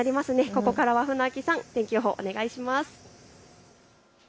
ここからは船木さん、天気予報をお願いします。